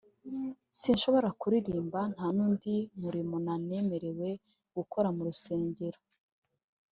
sinshobora kuririmba nta n’undi murimo namerewe gukora mu rusengero